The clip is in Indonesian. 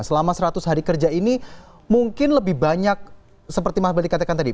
selama seratus hari kerja ini mungkin lebih banyak seperti mas beli katakan tadi